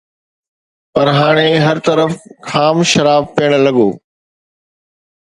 پر هاڻي هر طرف خام شراب پيئڻ لڳو